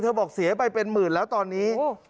บอกเสียไปเป็นหมื่นแล้วตอนนี้